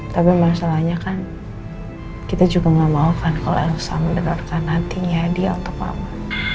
tapi masalahnya kan kita juga gak mau kan kalau elsa mendengarkan hatinya dia untuk mama